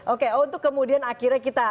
oke untuk kemudian akhirnya kita